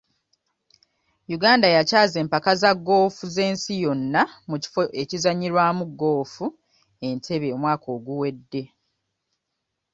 Uganda yakyaza empaka za goofu z'ensi yonna mu kifo ekizannyirwamu goofu Entebbe omwaka oguwedde.